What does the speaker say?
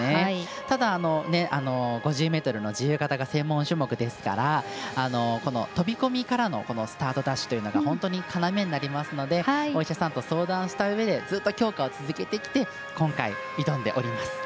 ただ、５０ｍの自由形が専門種目ですから飛び込みからのスタートダッシュというのが本当に要になりますのでお医者さんとお話したうえでずっと強化を続けてきて今回、挑んでおります。